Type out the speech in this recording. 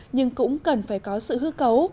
nhưng cũng cần phải có sự hư cấu